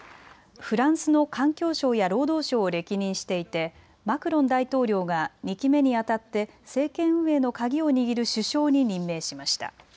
フランスの環境相や労働相を歴任していてマクロン大統領が２期目にあたって政権運営のカギを握る首相に任命しました。